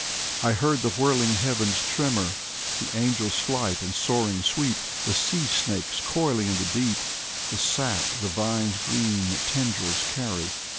I heard the whirling heavens' tremor, The angels' flight and soaring sweep. The sea snakes coiling in the deep, The sap the vine's green tendrils carry.